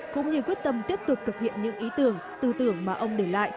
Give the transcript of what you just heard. cũng như quyết tâm tiếp tục thực hiện những ý tưởng tư tưởng mà ông để lại